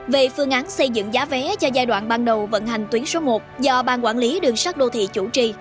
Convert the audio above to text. về phương án xây dựng giá vé cho giai đoạn ban đầu vận hành tuyến số một do ban quản lý đường sắt đô thị chủ trì